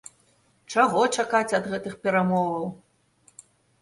Чаго чакаць ад гэтых перамоваў?